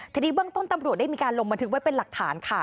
ทีนี้เบื้องต้นตำรวจได้มีการลงบันทึกไว้เป็นหลักฐานค่ะ